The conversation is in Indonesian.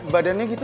badan nya gitu